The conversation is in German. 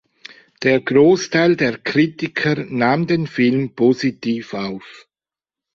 Der Großteil der Kritiker nahm den Film positiv auf.